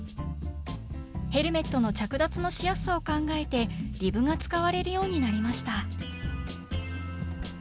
ヘルメットの着脱のしやすさを考えてリブが使われるようになりました